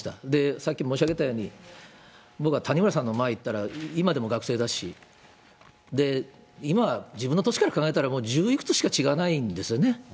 さっき申し上げたように、僕は谷村さんの前に行ったら、今でも学生だし、今、自分の年から考えたら、もう十いくつしか変わらないんですよね。